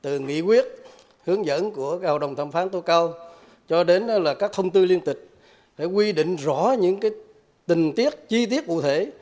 từ nghị quyết hướng dẫn của hội đồng thẩm phán tối cao cho đến các thông tư liên tịch để quy định rõ những tình tiết chi tiết cụ thể